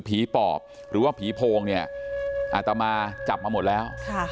ปอบหรือว่าผีโพงเนี่ยอาตมาจับมาหมดแล้ว